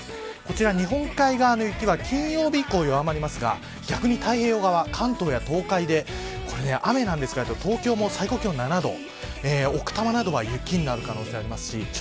日本海側の雪は金曜日以降は弱まりますが逆に太平洋側、関東や東海で雨なんですが東京も最高気温７度奥多摩などは雪になる可能性があります。